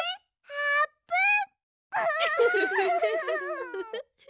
あーぷん！